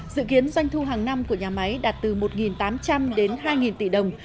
dự kiến doanh thu hàng năm của nhà máy đạt từ một tám trăm linh đến hai tỷ đồng